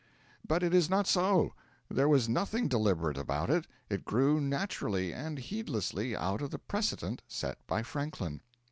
But it is not so; there was nothing deliberate about it; it grew naturally and heedlessly out of the precedent set by Franklin.